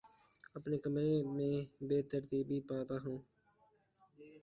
اپنے کمرے میں بے ترتیبی پاتا ہوں